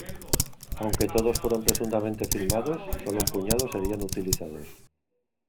Aunque todos fueron presuntamente filmados, sólo un puñado serían utilizados.